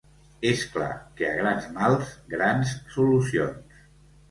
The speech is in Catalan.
És clar que a grans mals, grans solucions.